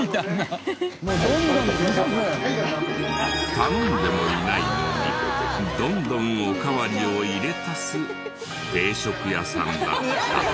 頼んでもいないのにどんどんおかわりを入れ足す定食屋さんだった。